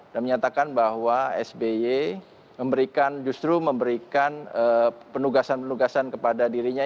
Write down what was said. menyatakan bahwa sby justru memberikan penugasan penugasan kepada dirinya